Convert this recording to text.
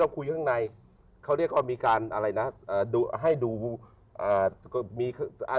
อย่างนี้ดีเพราะคนจะจำ